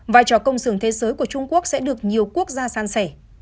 vài trò công dường thế giới của trung quốc sẽ được nhiều quốc gia sàn sẻ